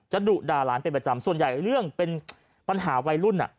ดุด่าหลานเป็นประจำส่วนใหญ่เรื่องเป็นปัญหาวัยรุ่น